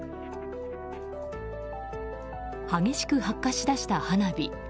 激しく発火し出した花火。